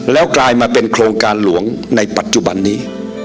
แล้วกลายมาเป็นโครงการหลวงในปัจจุบันนี้